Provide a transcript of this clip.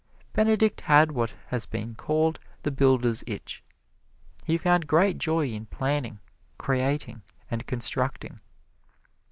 Benedict had what has been called the Builder's Itch. He found great joy in planning, creating and constructing.